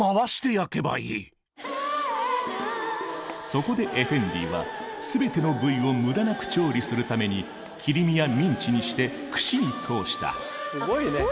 そこでエフェンディは全ての部位を無駄なく調理するために切り身やミンチにして串に通した。